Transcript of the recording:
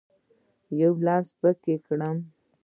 یو لفظ پکښې کرم